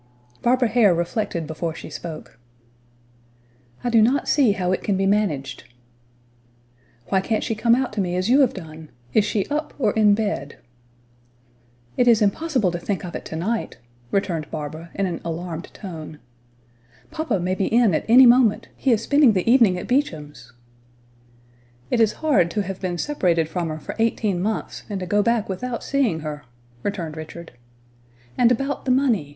Barbara Hare reflected before she spoke. "I do not see how it can be managed." "Why can't she come out to me as you have done? Is she up, or in bed?" "It is impossible to think of it to night," returned Barbara in an alarmed tone. "Papa may be in at any moment; he is spending the evening at Beauchamp's." "It is hard to have been separated from her for eighteen months, and to go back without seeing her," returned Richard. "And about the money?